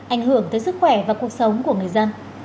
ảnh hưởng tới sức khỏe và cuộc sống của người dân